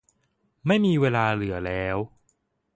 ไม่มีเวลาเหลือแล้ว